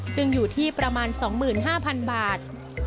ซึ่งอยู่ที่ประมาณ๒๕๐๐๐บาท